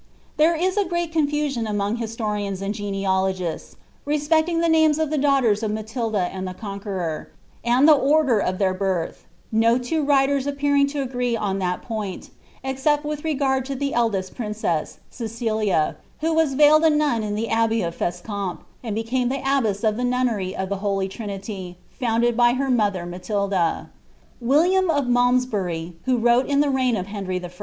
There is a great confusion among historians and genealogists, respect* ing the names of the daughters of Matilda and the Conqueror, and the Older of their birth, no two writers appearing to agree on that point, except with regard to the eldest princess, Cecilia, who was veiled a nun in the Abbey of Fescamp, and became the abbess of the nunnery of the Holy Trinity, founded by her mother Matilda.' William of Malmsbury, who wrote in the reign of Henry I.